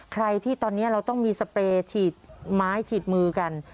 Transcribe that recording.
ใครที่ตอนนี้เราต้องมีสเปรย์ฉีดไม้ฉีดมือกัน